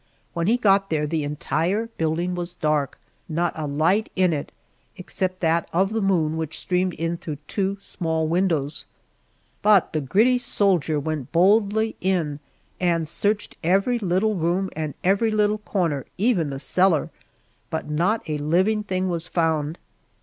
When he got there the entire building was dark, not a light in it, except that of the moon which streamed in through two small windows. But the gritty soldier went boldly in and searched every little room and every little corner, even the cellar, but not a living thing was found.